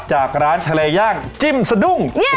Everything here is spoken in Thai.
จากร้านทะเลย่างจิ้มสะดุ้ง